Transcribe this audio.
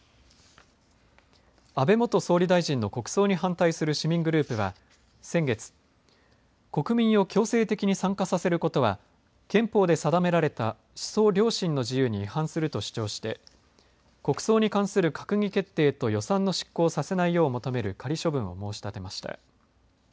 安倍元総理大臣の国葬に反対する市民グループは先月、国民を強制的に参加させることは憲法で定められた思想・良心の自由に反すると主張して国葬に関する閣議決定と予算の執行をさせないよう求める仮処分を申し立てました。